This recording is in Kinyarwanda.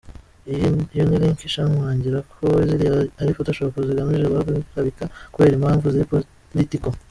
Iyo ni link ishimangira ko ziriya ari photoshop zigamije guharabika kubera impamvu ziri political.